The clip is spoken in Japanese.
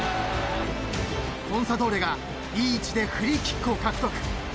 ［コンサドーレがいい位置でフリーキックを獲得］